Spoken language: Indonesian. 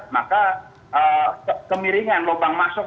maka kemiringan lubang masuk